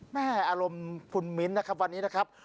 แม่อารมณ์ภูมิมินท์นะครับวันนี้นะครับ